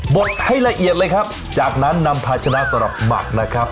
บดให้ละเอียดเลยครับจากนั้นนำพาชนะสำหรับหมักนะครับ